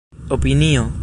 opinio